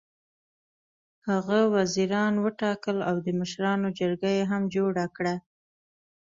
هغه وزیران وټاکل او د مشرانو جرګه یې هم جوړه کړه.